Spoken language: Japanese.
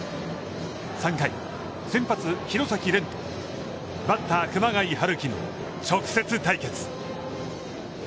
３回、先発廣崎漣、バッター熊谷陽輝の直接対決。